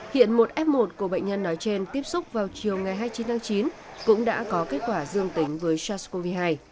hiện một f một của bệnh nhân nói trên tiếp xúc vào chiều ngày hai mươi chín tháng chín cũng đã có kết quả dương tính với sars cov hai